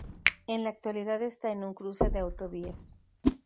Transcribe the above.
En la actualidad está en un cruce de autovías.